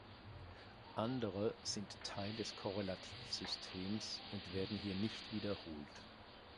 Andere sind Teil des Korrelativsystems und werden hier nicht wiederholt.